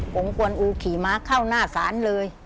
ผมควรอูขี่ม้าเข้าหน้าศาลเลย